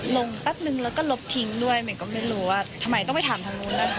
แป๊บนึงแล้วก็ลบทิ้งด้วยหมายก็ไม่รู้ว่าทำไมต้องไปถามทางนู้นนะคะ